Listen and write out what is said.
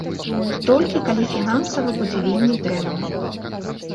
Толькі калі фінансава будзе вельмі дрэнна.